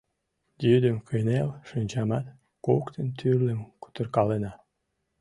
Йӱдым кынел шинчамат, коктын тӱрлым кутыркалена.